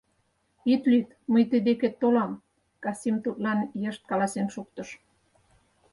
— Ит лӱд, мый тый декет толам, — Касим тудлан йышт каласен шуктыш.